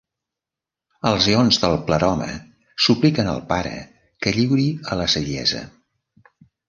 Els eons del Pleroma supliquen al Pare que lliuri a la Saviesa.